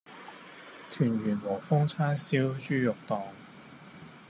圑圓和風叉燒豬肉丼